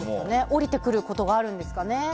降りてくることがあるんですかね。